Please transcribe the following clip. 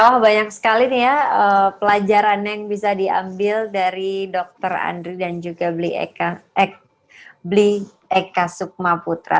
wah banyak sekali nih ya pelajaran yang bisa diambil dari dr andri dan juga bli eka sukmaputra